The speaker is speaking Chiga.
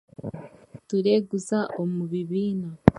Tureeguza omu bibiina